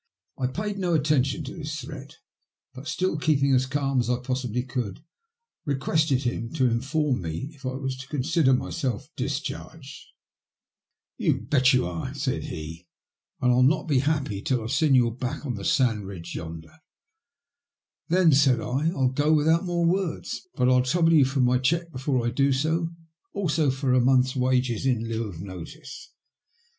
I paid no attention to this threat, but, still keeping as calm as I possibly could, requested him to inform me if I was to consider myself discharged. la THE LUST OF HATE. You bet you are," said he, " and I'll not be happy till I've seen your back on the sand ridge yonder." *' Then," said I, *' I'll go without more words. But I'll trouble you for my cheque before I do so. Also for a month's wages in lieu of notice."